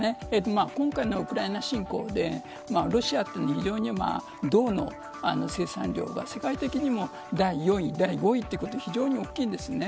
今回のウクライナ侵攻でロシアというのは非常に銅の生産量が世界的にも第４位、第５位ということで非常に大きいんです。